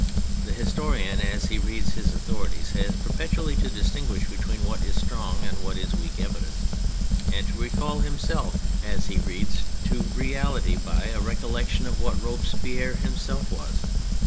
The historian, as he reads his authorities, has perpetually to distinguish between what is strong and what is weak evidence, and to recall himself, as he reads, to reality by a recollection of what Robespierre himself was.